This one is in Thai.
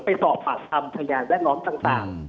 ไปตอบประหลาดทำพยายามแก๊งล้อมต่าง